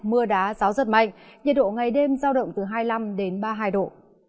gió giật mạnh nhiệt độ ngày đêm giao động từ hai mươi năm đến ba mươi hai độ